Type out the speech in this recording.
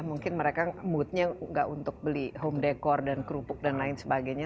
mungkin mereka moodnya nggak untuk beli home decor dan kerupuk dan lain sebagainya